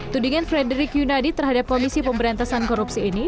tudingan frederick yunadi terhadap komisi pemberantasan korupsi ini